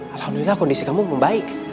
alhamdulillah kondisi kamu membaik